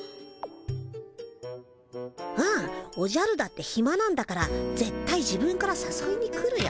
うんおじゃるだってひまなんだから絶対自分からさそいに来るよ。